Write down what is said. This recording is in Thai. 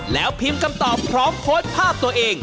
แล้วพิมพ์คำตอบพร้อมโพสต์ภาพตัวเอง